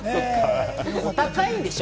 お高いんでしょ？